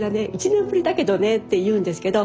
「１年ぶりだけどね」って言うんですけど